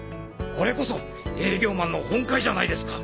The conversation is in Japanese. これこそ営業マンの本懐じゃないですか！